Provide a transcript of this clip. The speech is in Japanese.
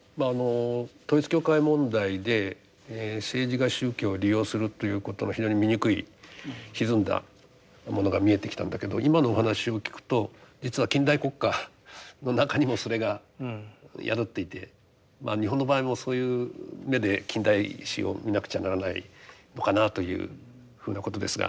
統一教会問題で政治が宗教を利用するっていうことの非常に醜いひずんだものが見えてきたんだけど今のお話を聞くと実は近代国家の中にもそれが宿っていてまあ日本の場合もそういう目で近代史を見なくちゃならないのかなというふうなことですが。